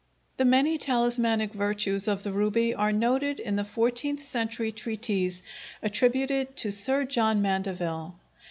The many talismanic virtues of the ruby are noted in the fourteenth century treatise attributed to Sir John Mandeville.